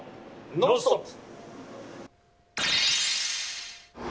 「ノンストップ！」。